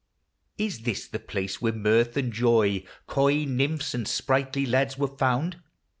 Is this the place where mirth and joy, Coy nymphs, and sprightly lads were found